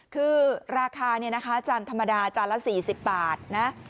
คือราคาเนี่ยฟังขาวโดยกาวนี้จานธรรมดาจานละ๔๐บาทนะ